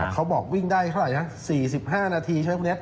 เขาบอกวิ่งได้เท่าไรนะ๔๕นาทีใช่ไหมคุณเน็ต